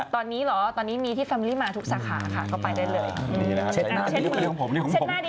ตอนนี้เหรอตอนนี้มีที่ฟัมรี่มาทุกสาขาค่ะก็ไปได้เลย